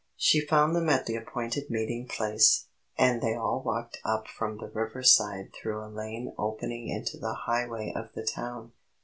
She found them at the appointed meeting place, and they all walked up from the river side through a lane opening into the highway of the town.